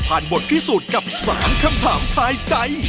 บทพิสูจน์กับ๓คำถามทายใจ